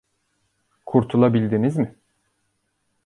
Kurtulabildiniz mi?